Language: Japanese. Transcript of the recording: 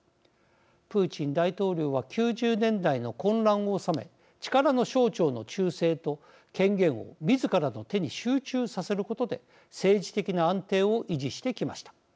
プーチン大統領は９０年代の混乱を収め力の象徴の忠誠と権限をみずからの手に集中させることで政治的な安定を維持してきました。